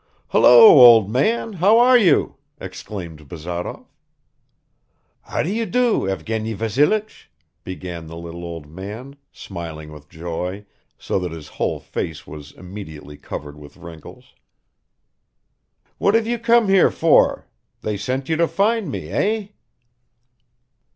"Hullo, old man, how are you?" exclaimed Bazarov. "How do you do, Evgeny Vassilich?" began the little old man, smiling with joy, so that his whole face was immediately covered with wrinkles. "What have you come here for? They sent you to find me, eh?"